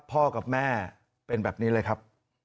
พ่อกับแม่เป็นแบบนี้เลยครับ